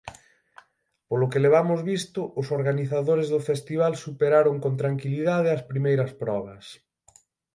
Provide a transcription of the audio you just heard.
Polo que levamos visto, os organizadores do festival superaron con tranquilidade as primeiras probas.